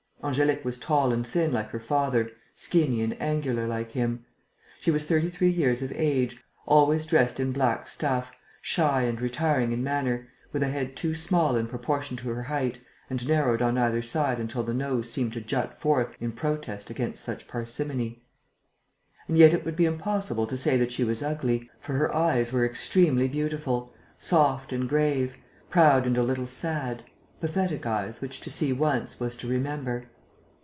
Angélique was tall and thin like her father, skinny and angular like him. She was thirty three years of age, always dressed in black stuff, shy and retiring in manner, with a head too small in proportion to her height and narrowed on either side until the nose seemed to jut forth in protest against such parsimony. And yet it would be impossible to say that she was ugly, for her eyes were extremely beautiful, soft and grave, proud and a little sad: pathetic eyes which to see once was to remember.